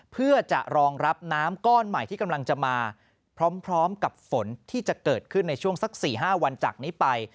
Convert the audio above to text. เพื่อจะรองรับน้ำก้อนใหม่ที่กำลังจะมาพร้อมกับฝนที่จะเกิดขึ้นในช่วงสัก๔๕วันจากนี้ไป